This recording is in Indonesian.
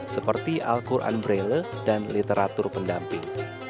seperti al quran braille dan literatur pendamping